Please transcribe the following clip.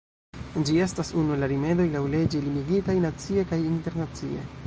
Ĝi estas unu el la rimedoj laŭleĝe limigitaj nacie kaj internacie.